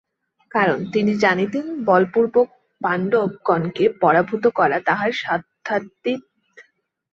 কারণ, তিনি জানিতেন বলপূর্বক পাণ্ডবগণকে পরাভূত করা তাঁহার সাধ্যাতীত।